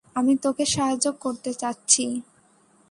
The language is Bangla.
আমি তোকে সাহায্য করতে চাচ্ছি!